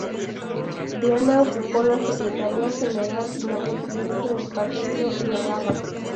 Viana ocupó la secretaría general y la presidencia del partido en Álava.